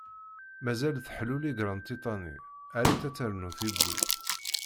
Mazal teḥluli granṭiṭa-nni, err-itt ad ternu tiwwi.